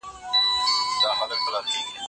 ایا مطالعه د خلګو ترمنځ نږدېوالی رامنځته کوي؟